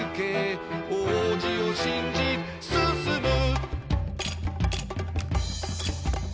「王子を信じ進む」